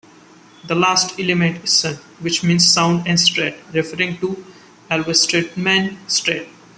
The last element is "sund" which means "sound" or "strait", referring to Alverstraumen strait.